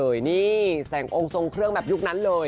นี่แสงองค์ทรงเครื่องแบบยุคนั้นเลย